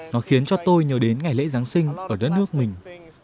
nó khiến cho tôi nhớ đến ngày lễ giáng sinh ở đất nước mình